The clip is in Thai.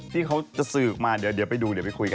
ที่เขาจะสืบมาเดี๋ยวไปดูเดี๋ยวไปคุยกัน